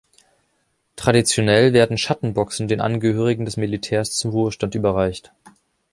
Traditionell werden Schattenboxen den Angehörigen des Militärs zum Ruhestand überreicht.